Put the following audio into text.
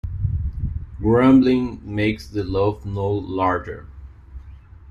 Grumbling makes the loaf no larger.